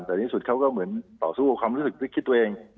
แต่ที่สุดเขาก็เหมือนต่อสู้ความรู้สึกด้วยคิดตัวเอง